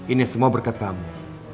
ini semua berkat kamu